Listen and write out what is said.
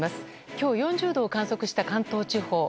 今日、４０度を観測した関東地方。